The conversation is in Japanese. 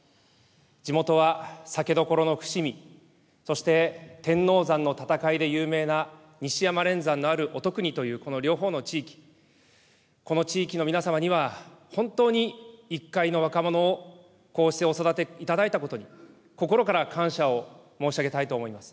地元は酒どころの伏見、そして天王山の戦いで有名な西山連山のあるおとくにという地域、この地域の皆様には、本当に一介の若者をこうしてお育ていただいたことに、心から感謝を申し上げたいと思います。